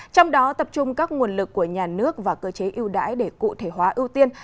trong đó tập trung các nguồn lực của nhà nước và cơ chế ưu đãi để cụ thể hóa ưu tiên